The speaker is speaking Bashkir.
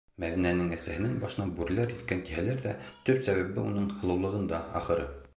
Мәҙинәнең әсәһенең башына бүреләр еткән тиһәләр ҙә, төп сәбәбе уның һылыулығында, ахыры.